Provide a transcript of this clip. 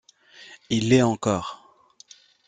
Il l’est encore.